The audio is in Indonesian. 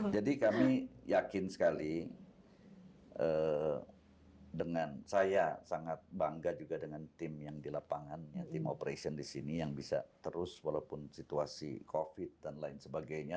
jadi kami yakin sekali dengan saya sangat bangga juga dengan tim yang di lapangan tim operation di sini yang bisa terus walaupun situasi covid dan lain sebagainya